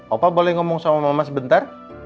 opa boleh ngomong sama mama sebentar